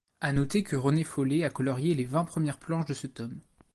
À noter que René Follet a colorié les vingt premières planches de ce tome.